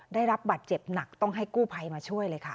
ได้รับบัตรเจ็บหนักต้องให้กู้ภัยมาช่วยเลยค่ะ